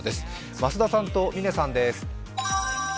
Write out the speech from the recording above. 増田さんと嶺さんです。